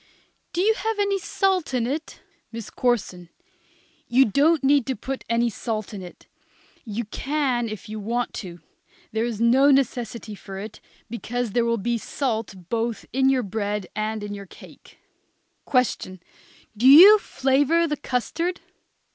_ Do you have any salt in it? MISS CORSON. You don't need to put any salt in it. You can if you want to. There is no necessity for it, because there will be salt both in your bread and in your cake. Question. Do you flavor the custard?